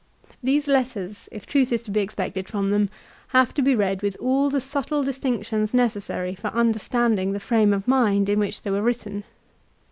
These letters, if truth is to be expected from them, have to be read with all the subtle distinctions necessary for understanding the frame of mind in which they were written.